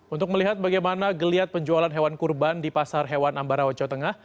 untuk melihat bagaimana geliat penjualan hewan kurban di pasar hewan ambarawa jawa tengah